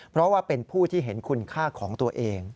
เพราะว่าเป็นผู้ที่เห็นคุณค่าของตัวเอง